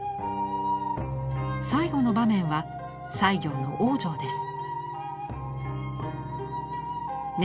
最後の場面は西行の往生です。